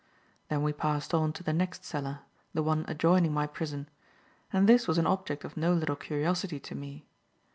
Then we passed on to the next cellar the one adjoining my prison and this was an object of no little curiosity to me.